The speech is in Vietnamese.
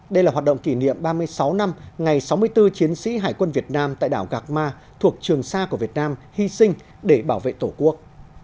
đây là hoạt động kỷ niệm ba mươi sáu năm ngày sáu mươi bốn chiến sĩ hải quân việt nam tại đảo gạc ma thuộc trường sa của việt nam hy sinh để bảo vệ tổ quốc